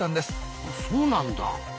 そうなんだ。